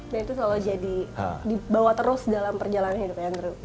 dan itu selalu jadi dibawa terus dalam perjalanan hidupnya andrew